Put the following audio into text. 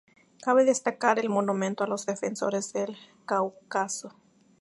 Cabe destacar el monumento a los defensores del Cáucaso.